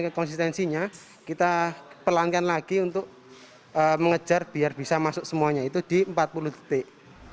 karena konsistensinya kita pelankan lagi untuk mengejar biar bisa masuk semuanya itu di empat puluh titik